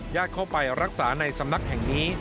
เข้าไปรักษาในสำนักแห่งนี้